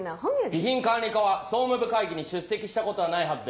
備品管理課は総務部会議に出席したことはないはずです。